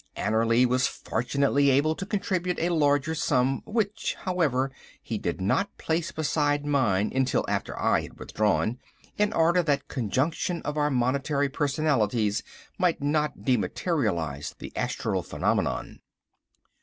Annerly was fortunately able to contribute a larger sum, which, however, he was not to place beside mine until after I had withdrawn, in order that conjunction of our monetary personalities might not dematerialise the astral phenomenon.